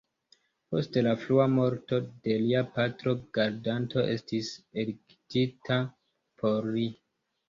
Post la frua morto de lia patro, gardanto estis elektita por li.